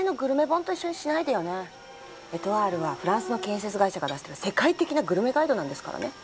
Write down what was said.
『エトワール』はフランスの建設会社が出している世界的なグルメガイドなんですからね！